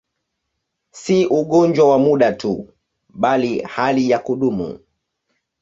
Si ugonjwa wa muda tu, bali hali ya kudumu.